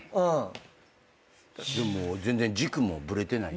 でも全然軸もブレてないし。